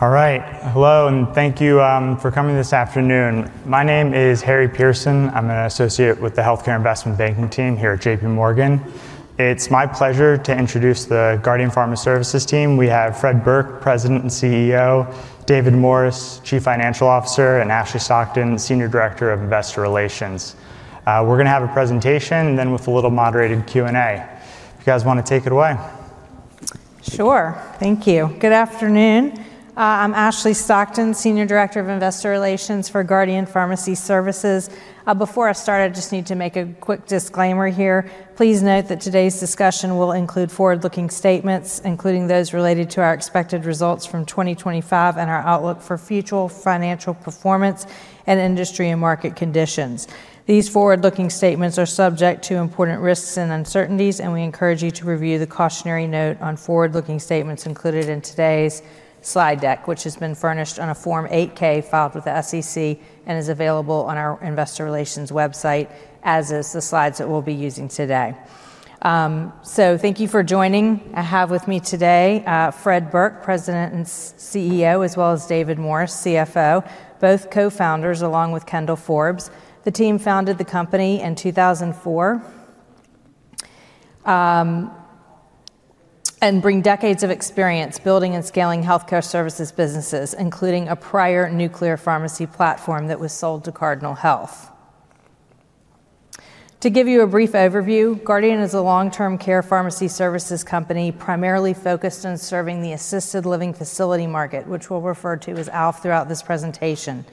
All right. Hello, and thank you for coming this afternoon. My name is Harry Pearson. I'm an associate with the Healthcare Investment Banking team here at J.P. Morgan. It's my pleasure to introduce the Guardian Pharmacy Services team. We have Fred Burke, President and CEO; David Morris, Chief Financial Officer; and Ashley Stockton, Senior Director of Investor Relations. We're going to have a presentation, then with a little moderated Q&A. You guys want to take it away? Sure. Thank you. Good afternoon. I'm Ashley Stockton, Senior Director of Investor Relations for Guardian Pharmacy Services. Before I start, I just need to make a quick disclaimer here. Please note that today's discussion will include forward-looking statements, including those related to our expected results from 2025 and our outlook for future financial performance and industry and market conditions. These forward-looking statements are subject to important risks and uncertainties, and we encourage you to review the cautionary note on forward-looking statements included in today's slide deck, which has been furnished on a Form 8-K filed with the SEC and is available on our Investor Relations website, as are the slides that we'll be using today. So thank you for joining. I have with me today Fred Burke, President and CEO, as well as David Morris, CFO, both co-founders along with Kendall Forbes. The team founded the company in 2004 and brings decades of experience building and scaling healthcare services businesses, including a prior nuclear pharmacy platform that was sold to Cardinal Health. To give you a brief overview, Guardian is a long-term care pharmacy services company primarily focused on serving the assisted living facility market, which we'll refer to as ALF throughout this presentation.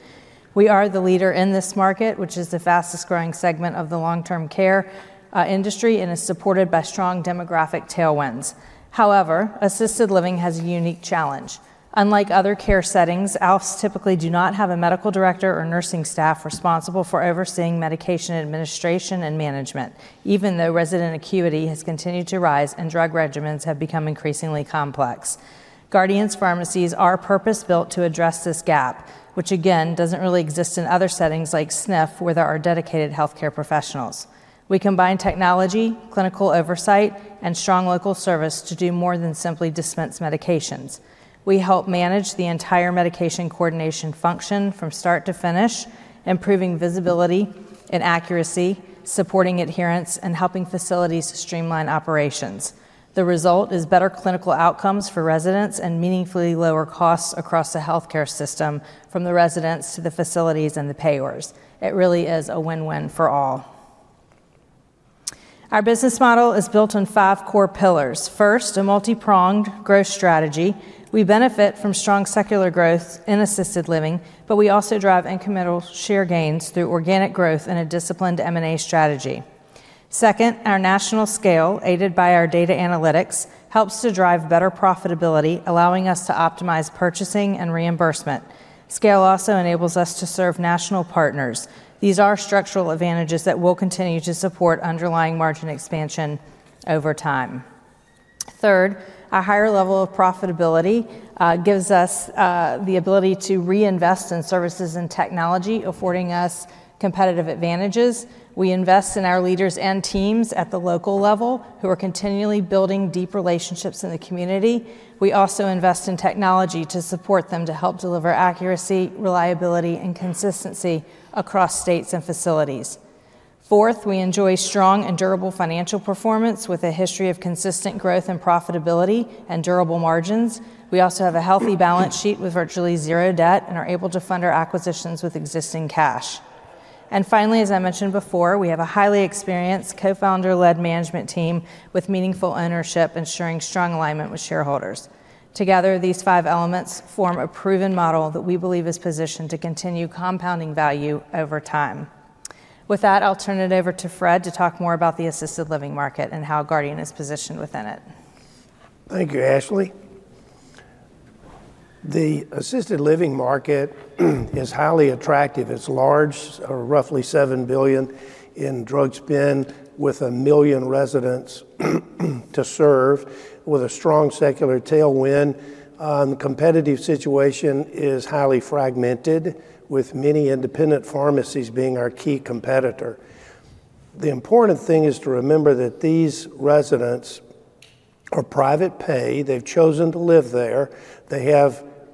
We are the leader in this market, which is the fastest-growing segment of the long-term care industry and is supported by strong demographic tailwinds. However, assisted living has a unique challenge. Unlike other care settings, ALFs typically do not have a medical director or nursing staff responsible for overseeing medication administration and management, even though resident acuity has continued to rise and drug regimens have become increasingly complex. Guardian's pharmacies are purpose-built to address this gap, which, again, doesn't really exist in other settings like SNF, where there are dedicated healthcare professionals. We combine technology, clinical oversight, and strong local service to do more than simply dispense medications. We help manage the entire medication coordination function from start to finish, improving visibility and accuracy, supporting adherence, and helping facilities streamline operations. The result is better clinical outcomes for residents and meaningfully lower costs across the healthcare system, from the residents to the facilities and the payors. It really is a win-win for all. Our business model is built on five core pillars. First, a multi-pronged growth strategy. We benefit from strong secular growth in assisted living, but we also drive incremental share gains through organic growth and a disciplined M&A strategy. Second, our national scale, aided by our data analytics, helps to drive better profitability, allowing us to optimize purchasing and reimbursement. Scale also enables us to serve national partners. These are structural advantages that will continue to support underlying margin expansion over time. Third, a higher level of profitability gives us the ability to reinvest in services and technology, affording us competitive advantages. We invest in our leaders and teams at the local level who are continually building deep relationships in the community. We also invest in technology to support them to help deliver accuracy, reliability, and consistency across states and facilities. Fourth, we enjoy strong and durable financial performance with a history of consistent growth and profitability and durable margins. We also have a healthy balance sheet with virtually zero debt and are able to fund our acquisitions with existing cash. Finally, as I mentioned before, we have a highly experienced co-founder-led management team with meaningful ownership, ensuring strong alignment with shareholders. Together, these five elements form a proven model that we believe is positioned to continue compounding value over time. With that, I'll turn it over to Fred to talk more about the assisted living market and how Guardian is positioned within it. Thank you, Ashley. The assisted living market is highly attractive. It's large, roughly $7 billion in drug spend, with a million residents to serve, with a strong secular tailwind. The competitive situation is highly fragmented, with many independent pharmacies being our key competitor. The important thing is to remember that these residents are private pay. They've chosen to live there. They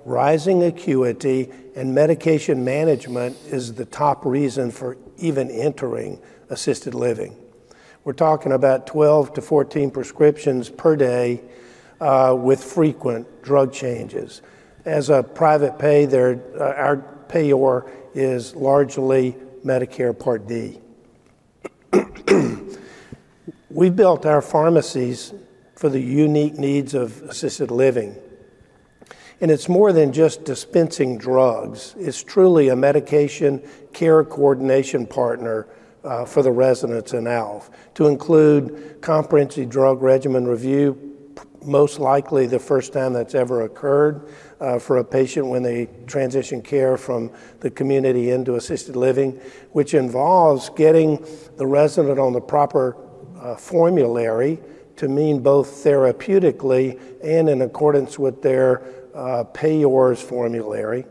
have rising acuity, and medication management is the top reason for even entering assisted living. We're talking about 12 to 14 prescriptions per day with frequent drug changes. As a private pay, our payor is largely Medicare Part D. We've built our pharmacies for the unique needs of assisted living, and it's more than just dispensing drugs. It's truly a medication care coordination partner for the residents in ALF, to include comprehensive drug regimen review, most likely the first time that's ever occurred for a patient when they transition care from the community into assisted living, which involves getting the resident on the proper formulary to mean both therapeutically and in accordance with their payor's formulary.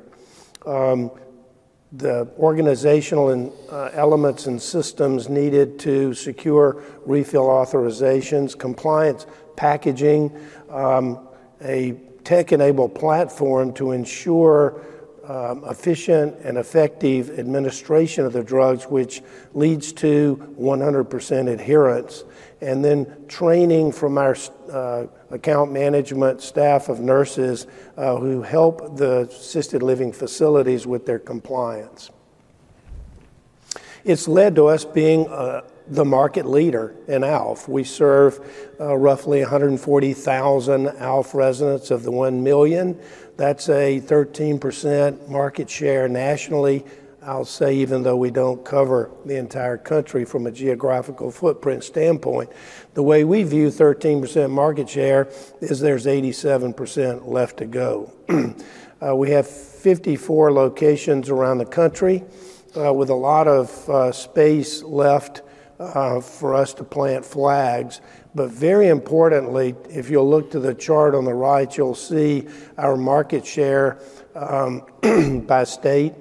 The organizational elements and systems needed to secure refill authorizations, compliance packaging, a tech-enabled platform to ensure efficient and effective administration of the drugs, which leads to 100% adherence, and then training from our account management staff of nurses who help the assisted living facilities with their compliance. It's led to us being the market leader in ALF. We serve roughly 140,000 ALF residents of the 1 million. That's a 13% market share nationally, I'll say, even though we don't cover the entire country from a geographical footprint standpoint. The way we view 13% market share is there's 87% left to go. We have 54 locations around the country with a lot of space left for us to plant flags. But very importantly, if you'll look to the chart on the right, you'll see our market share by state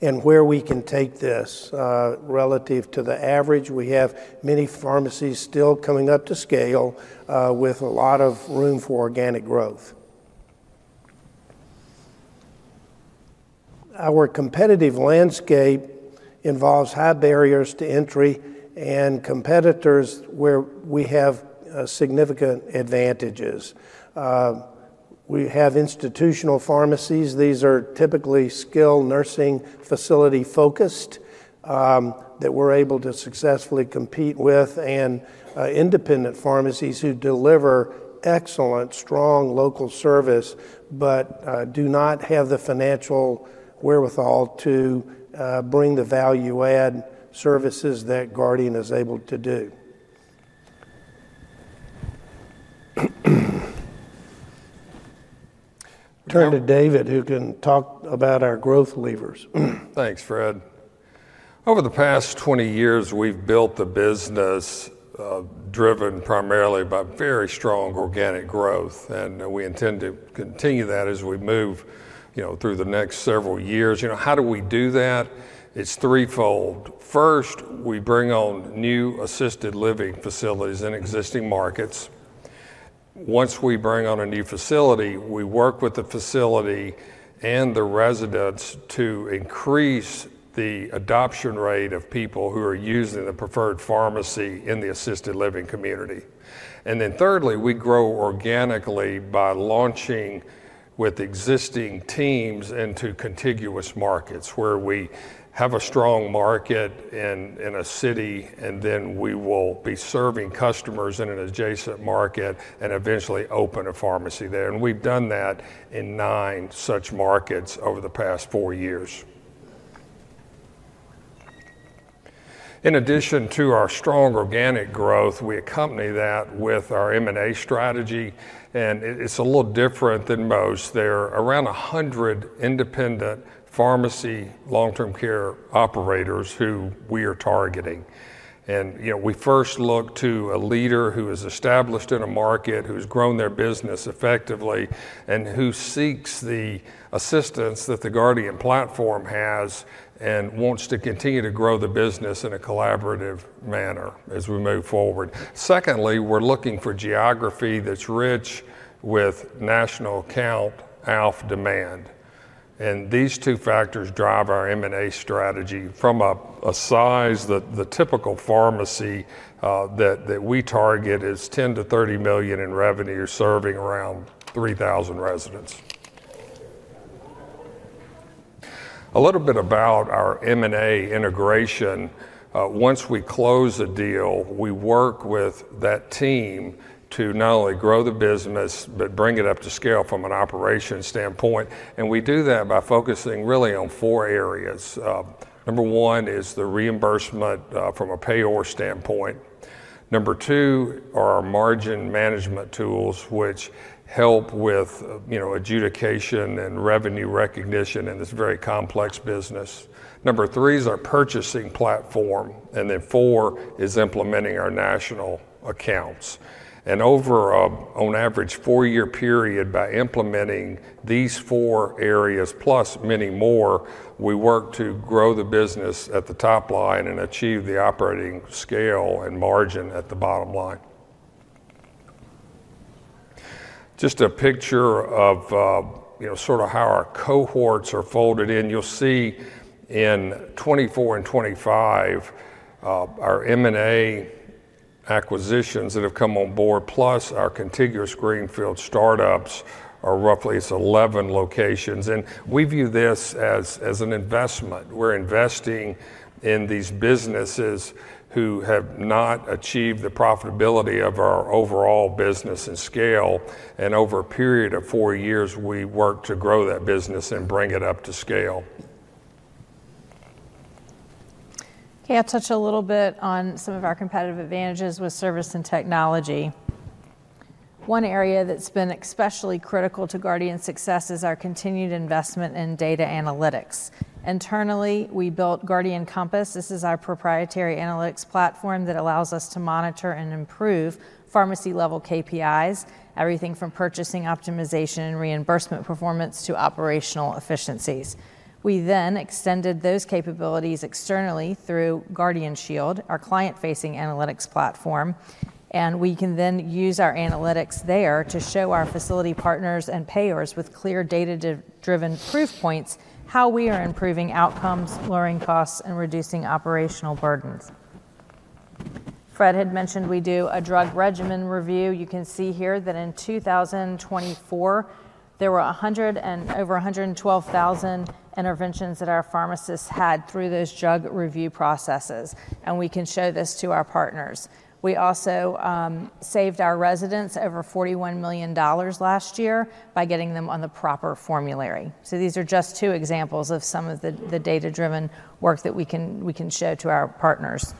and where we can take this relative to the average. We have many pharmacies still coming up to scale with a lot of room for organic growth. Our competitive landscape involves high barriers to entry and competitors where we have significant advantages. We have institutional pharmacies. These are typically skilled nursing facility-focused that we're able to successfully compete with, and independent pharmacies who deliver excellent, strong local service but do not have the financial wherewithal to bring the value-add services that Guardian is able to do. Turn to David, who can talk about our growth levers. Thanks, Fred. Over the past 20 years, we've built the business driven primarily by very strong organic growth, and we intend to continue that as we move through the next several years. How do we do that? It's threefold. First, we bring on new assisted living facilities in existing markets. Once we bring on a new facility, we work with the facility and the residents to increase the adoption rate of people who are using the preferred pharmacy in the assisted living community. And then thirdly, we grow organically by launching with existing teams into contiguous markets where we have a strong market in a city, and then we will be serving customers in an adjacent market and eventually open a pharmacy there. And we've done that in nine such markets over the past four years. In addition to our strong organic growth, we accompany that with our M&A strategy, and it's a little different than most. There are around 100 independent pharmacy long-term care operators who we are targeting, and we first look to a leader who is established in a market, who's grown their business effectively, and who seeks the assistance that the Guardian platform has and wants to continue to grow the business in a collaborative manner as we move forward. Secondly, we're looking for geography that's rich with national account ALF demand, and these two factors drive our M&A strategy. From a size that the typical pharmacy that we target is 10-30 million in revenue, serving around 3,000 residents. A little bit about our M&A integration. Once we close a deal, we work with that team to not only grow the business but bring it up to scale from an operations standpoint. And we do that by focusing really on four areas. Number one is the reimbursement from a payor standpoint. Number two are our margin management tools, which help with adjudication and revenue recognition in this very complex business. Number three is our purchasing platform. And then four is implementing our national accounts. And over an average four-year period, by implementing these four areas plus many more, we work to grow the business at the top line and achieve the operating scale and margin at the bottom line. Just a picture of sort of how our cohorts are folded in. You'll see in 2024 and 2025, our M&A acquisitions that have come on board plus our contiguous greenfield startups are roughly at 11 locations. We view this as an investment. We're investing in these businesses who have not achieved the profitability of our overall business and scale. Over a period of four years, we work to grow that business and bring it up to scale. Can I touch a little bit on some of our competitive advantages with service and technology? One area that's been especially critical to Guardian's success is our continued investment in data analytics. Internally, we built Guardian Compass. This is our proprietary analytics platform that allows us to monitor and improve pharmacy-level KPIs, everything from purchasing optimization and reimbursement performance to operational efficiencies. We then extended those capabilities externally through Guardian Shield, our client-facing analytics platform, and we can then use our analytics there to show our facility partners and payors with clear data-driven proof points how we are improving outcomes, lowering costs, and reducing operational burdens. Fred had mentioned we do a drug regimen review. You can see here that in 2024, there were over 112,000 interventions that our pharmacists had through those drug review processes, and we can show this to our partners. We also saved our residents over $41 million last year by getting them on the proper formulary. So these are just two examples of some of the data-driven work that we can show to our partners.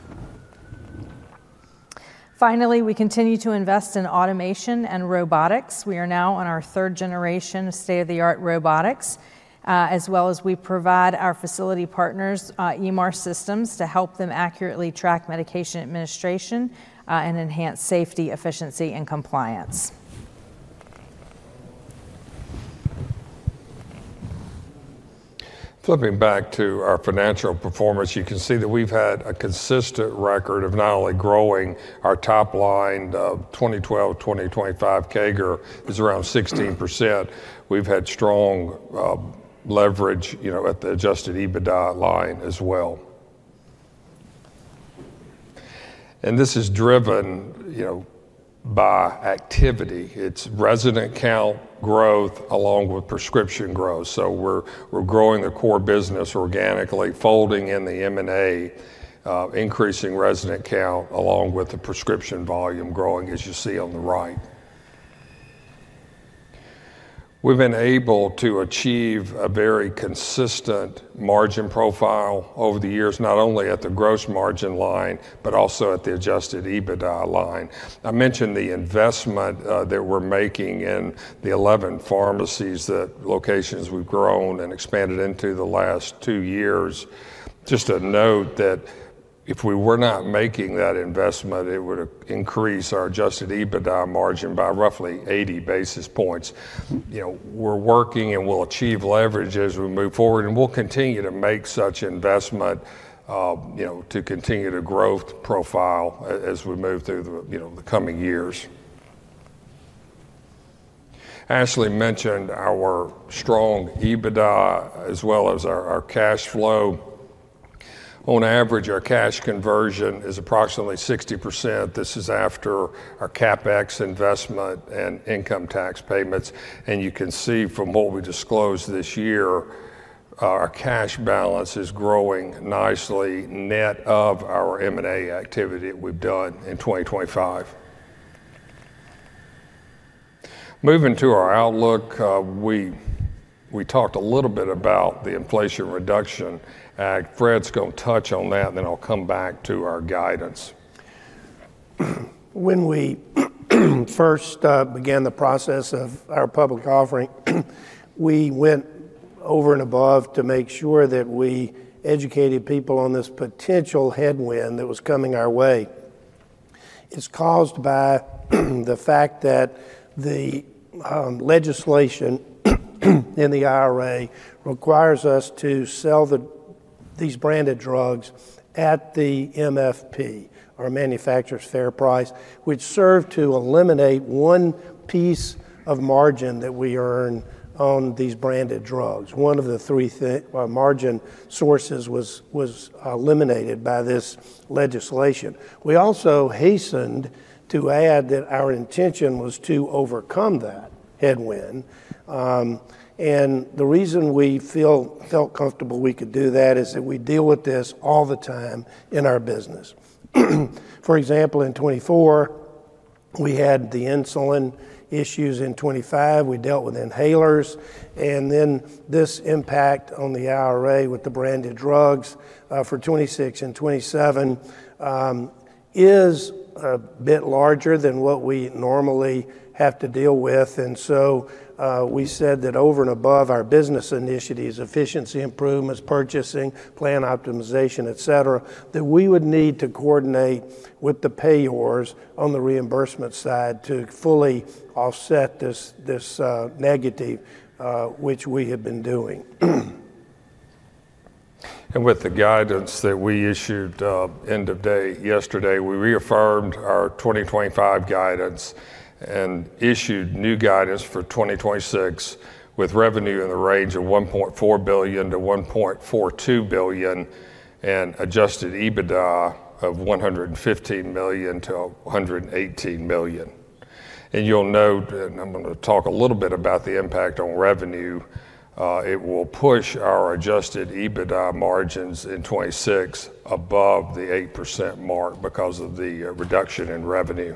Finally, we continue to invest in automation and robotics. We are now on our third generation of state-of-the-art robotics, as well as we provide our facility partners EMR systems to help them accurately track medication administration and enhance safety, efficiency, and compliance. Flipping back to our financial performance, you can see that we've had a consistent record of not only growing our top line; of 2012-2025, CAGR is around 16%. We've had strong leverage at the Adjusted EBITDA line as well. This is driven by activity. It's resident count growth along with prescription growth. So we're growing the core business organically, folding in the M&A, increasing resident count along with the prescription volume growing, as you see on the right. We've been able to achieve a very consistent margin profile over the years, not only at the gross margin line but also at the Adjusted EBITDA line. I mentioned the investment that we're making in the 11 pharmacies that locations we've grown and expanded into the last two years. Just a note that if we were not making that investment, it would increase our adjusted EBITDA margin by roughly 80 basis points. We're working and we'll achieve leverage as we move forward, and we'll continue to make such investment to continue the growth profile as we move through the coming years. Ashley mentioned our strong EBITDA as well as our cash flow. On average, our cash conversion is approximately 60%. This is after our CapEx investment and income tax payments, and you can see from what we disclosed this year, our cash balance is growing nicely net of our M&A activity that we've done in 2025. Moving to our outlook, we talked a little bit about the Inflation Reduction Act. Fred's going to touch on that, and then I'll come back to our guidance. When we first began the process of our public offering, we went over and above to make sure that we educated people on this potential headwind that was coming our way. It's caused by the fact that the legislation in the IRA requires us to sell these branded drugs at the MFP, our manufacturer's fair price, which served to eliminate one piece of margin that we earn on these branded drugs. One of the three margin sources was eliminated by this legislation. We also hastened to add that our intention was to overcome that headwind, and the reason we felt comfortable we could do that is that we deal with this all the time in our business. For example, in 2024, we had the insulin issues. In 2025, we dealt with inhalers. And then this impact on the IRA with the branded drugs for 2026 and 2027 is a bit larger than what we normally have to deal with. And so we said that over and above our business initiatives, efficiency improvements, purchasing, plan optimization, etc., that we would need to coordinate with the payors on the reimbursement side to fully offset this negative, which we had been doing. With the guidance that we issued end of day yesterday, we reaffirmed our 2025 guidance and issued new guidance for 2026 with revenue in the range of $1.4 billion-$1.42 billion and adjusted EBITDA of $115 million-$118 million. You'll note, and I'm going to talk a little bit about the impact on revenue, it will push our adjusted EBITDA margins in 2026 above the 8% mark because of the reduction in revenue.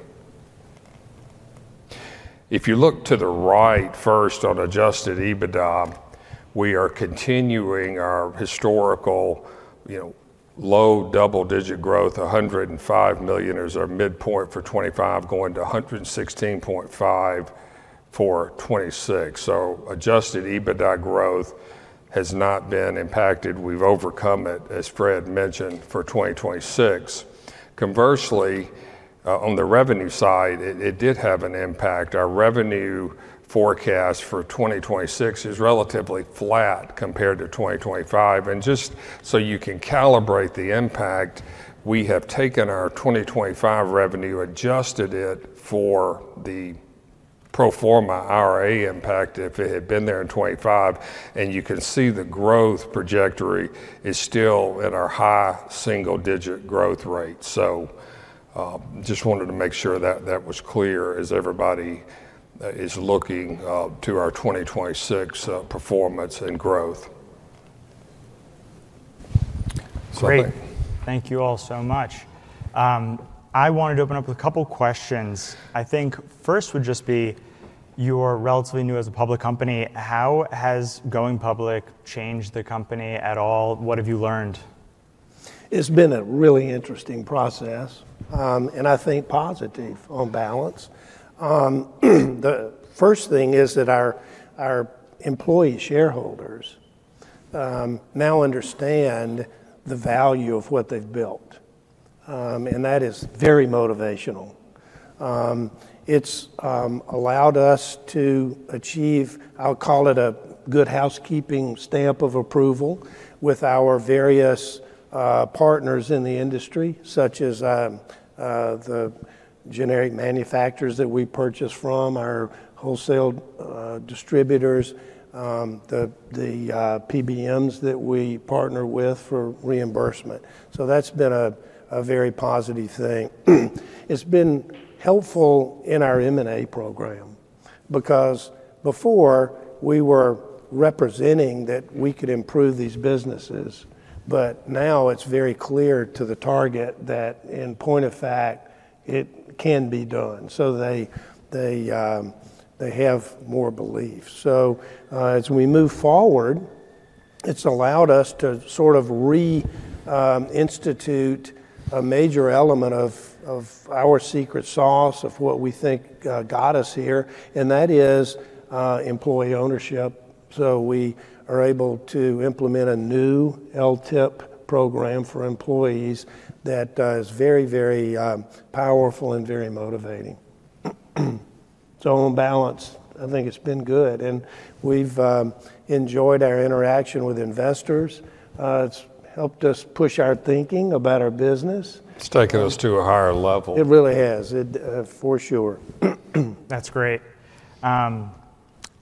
If you look to the right first on adjusted EBITDA, we are continuing our historical low double-digit growth, $105 million, as our midpoint for 2025, going to $116.5 million for 2026. So adjusted EBITDA growth has not been impacted. We've overcome it, as Fred mentioned, for 2026. Conversely, on the revenue side, it did have an impact. Our revenue forecast for 2026 is relatively flat compared to 2025. Just so you can calibrate the impact, we have taken our 2025 revenue, adjusted it for the pro forma IRA impact if it had been there in 2025. You can see the growth trajectory is still at our high single-digit growth rate. Just wanted to make sure that that was clear as everybody is looking to our 2026 performance and growth. Great. Thank you all so much. I wanted to open up with a couple of questions. I think first would just be, you're relatively new as a public company. How has going public changed the company at all? What have you learned? It's been a really interesting process, and I think positive on balance. The first thing is that our employee shareholders now understand the value of what they've built, and that is very motivational. It's allowed us to achieve, I'll call it a good housekeeping stamp of approval with our various partners in the industry, such as the generic manufacturers that we purchase from, our wholesale distributors, the PBMs that we partner with for reimbursement. So that's been a very positive thing. It's been helpful in our M&A program because before we were representing that we could improve these businesses, but now it's very clear to the target that in point of fact, it can be done. So they have more belief. So as we move forward, it's allowed us to sort of re-institute a major element of our secret sauce of what we think got us here, and that is employee ownership. So we are able to implement a new LTIP program for employees that is very, very powerful and very motivating. So on balance, I think it's been good. And we've enjoyed our interaction with investors. It's helped us push our thinking about our business. It's taken us to a higher level. It really has, for sure. That's great.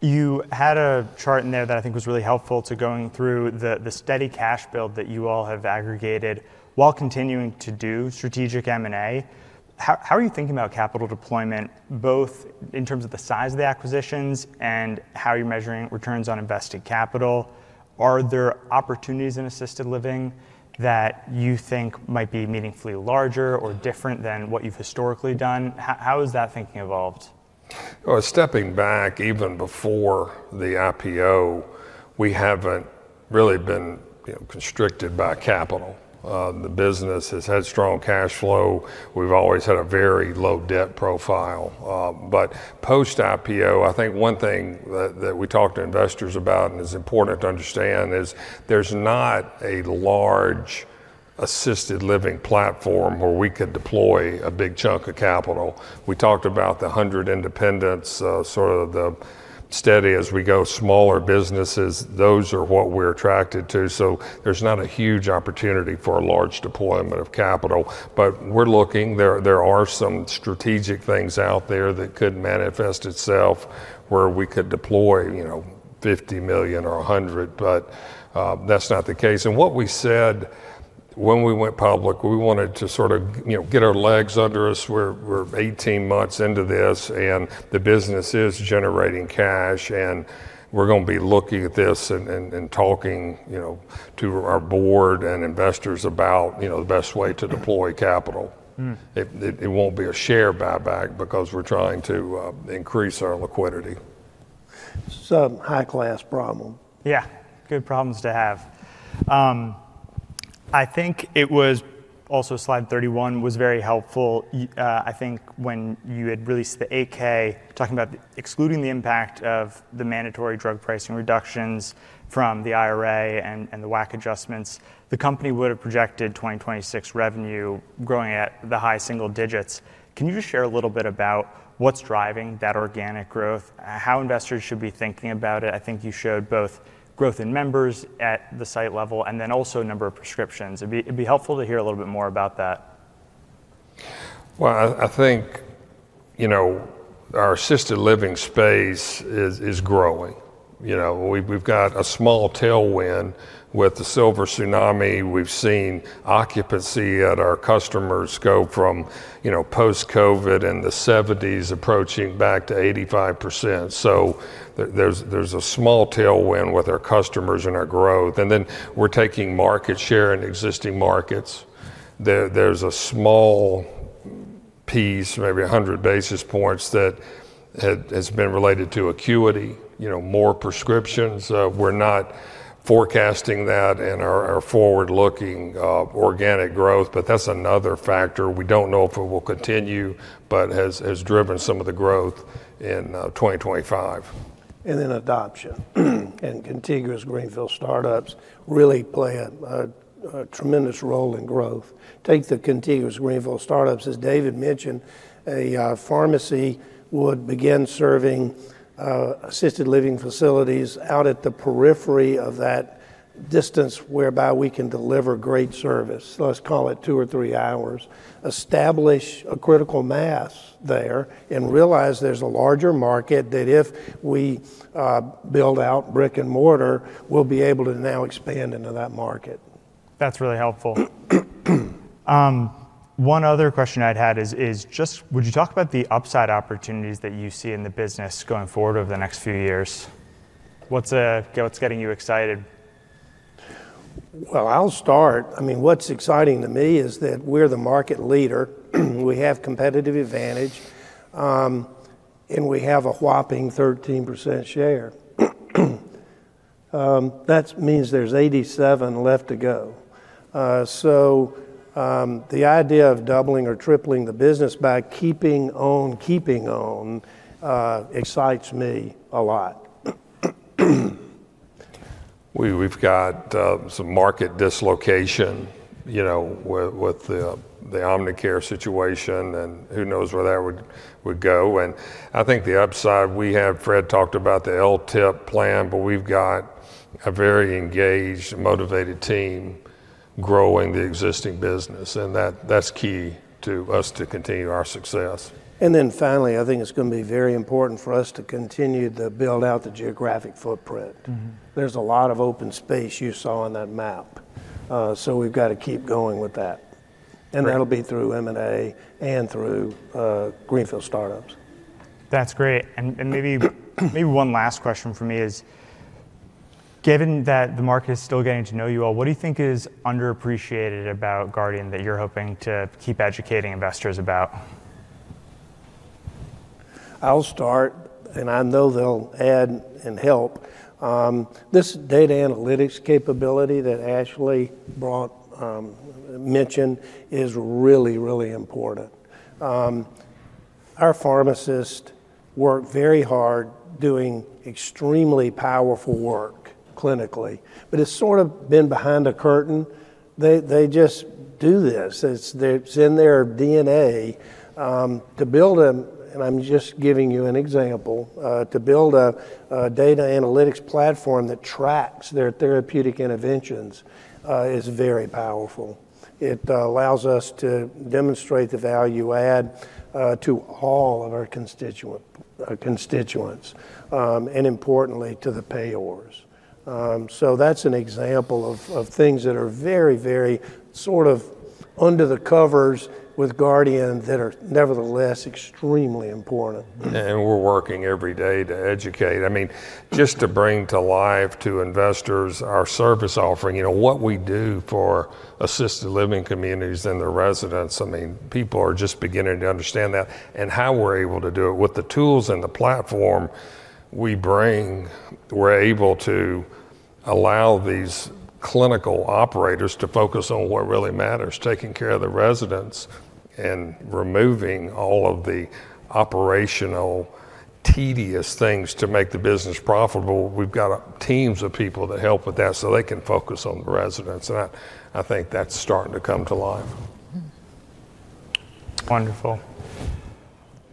You had a chart in there that I think was really helpful to going through the steady cash build that you all have aggregated while continuing to do strategic M&A. How are you thinking about capital deployment, both in terms of the size of the acquisitions and how you're measuring returns on invested capital? Are there opportunities in assisted living that you think might be meaningfully larger or different than what you've historically done? How has that thinking evolved? Stepping back, even before the IPO, we haven't really been constricted by capital. The business has had strong cash flow. We've always had a very low debt profile, but post-IPO, I think one thing that we talked to investors about and is important to understand is there's not a large assisted living platform where we could deploy a big chunk of capital. We talked about the 100 independents, sort of the steady as we go smaller businesses. Those are what we're attracted to, so there's not a huge opportunity for a large deployment of capital. But we're looking. There are some strategic things out there that could manifest itself where we could deploy $50 million or $100 million, but that's not the case, and what we said when we went public, we wanted to sort of get our legs under us. We're 18 months into this, and the business is generating cash, and we're going to be looking at this and talking to our board and investors about the best way to deploy capital. It won't be a share buyback because we're trying to increase our liquidity. It's a high-class problem. Yeah, good problems to have. I think it was also slide 31 was very helpful. I think when you had released the 8-K, talking about excluding the impact of the mandatory drug pricing reductions from the IRA and the WAC adjustments, the company would have projected 2026 revenue growing at the high single digits. Can you just share a little bit about what's driving that organic growth, how investors should be thinking about it? I think you showed both growth in members at the site level and then also a number of prescriptions. It'd be helpful to hear a little bit more about that. I think our assisted living space is growing. We've got a small tailwind. With the Silver Tsunami, we've seen occupancy at our customers go from post-COVID in the 70% approaching back to 85%. There's a small tailwind with our customers and our growth. Then we're taking market share in existing markets. There's a small piece, maybe 100 basis points, that has been related to acuity, more prescriptions. We're not forecasting that in our forward-looking organic growth, but that's another factor. We don't know if it will continue, but has driven some of the growth in 2025. And then adoption and contiguous greenfield startups really play a tremendous role in growth. Take the contiguous greenfield startups, as David mentioned, a pharmacy would begin serving assisted living facilities out at the periphery of that distance whereby we can deliver great service. Let's call it two or three hours. Establish a critical mass there and realize there's a larger market that if we build out brick and mortar, we'll be able to now expand into that market. That's really helpful. One other question I'd had is just, would you talk about the upside opportunities that you see in the business going forward over the next few years? What's getting you excited? I'll start. I mean, what's exciting to me is that we're the market leader. We have competitive advantage, and we have a whopping 13% share. That means there's 87 left to go. So the idea of doubling or tripling the business by keeping on, keeping on excites me a lot. We've got some market dislocation with the Omnicare situation, and who knows where that would go, and I think the upside, we have Fred talked about the LTIP plan, but we've got a very engaged, motivated team growing the existing business, and that's key to us to continue our success. And then finally, I think it's going to be very important for us to continue to build out the geographic footprint. There's a lot of open space you saw on that map. So we've got to keep going with that. And that'll be through M&A and through greenfield startups. That's great. And maybe one last question for me is, given that the market is still getting to know you all, what do you think is underappreciated about Guardian that you're hoping to keep educating investors about? I'll start, and I know they'll add and help. This data analytics capability that Ashley mentioned is really, really important. Our pharmacists work very hard doing extremely powerful work clinically, but it's sort of been behind the curtain. They just do this. It's in their DNA, and I'm just giving you an example, to build a data analytics platform that tracks their therapeutic interventions is very powerful. It allows us to demonstrate the value add to all of our constituents and importantly to the payors. So that's an example of things that are very, very sort of under the covers with Guardian that are nevertheless extremely important. We're working every day to educate. I mean, just to bring to life to investors our service offering, what we do for assisted living communities and their residents. I mean, people are just beginning to understand that and how we're able to do it. With the tools and the platform we bring, we're able to allow these clinical operators to focus on what really matters, taking care of the residents and removing all of the operational tedious things to make the business profitable. We've got teams of people that help with that so they can focus on the residents. I think that's starting to come to life. Wonderful.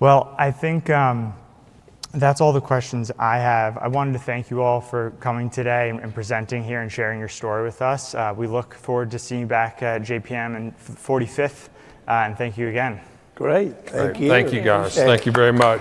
Well, I think that's all the questions I have. I wanted to thank you all for coming today and presenting here and sharing your story with us. We look forward to seeing you back at JPM and 45th, and thank you again. Great. Thank you. Thank you, guys. Thank you very much.